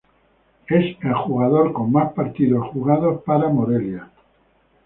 Es el jugador con más partidos jugados para Morelia.